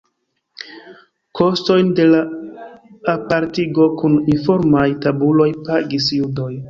Kostojn de la apartigo kun informaj tabuloj pagis judoj.